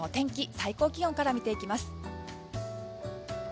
最高気温から見ていきます。